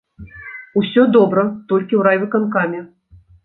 Усё добра толькі ў райвыканкаме.